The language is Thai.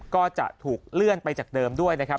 ก็จะถูกเลื่อนไปจากเดิมด้วยนะครับ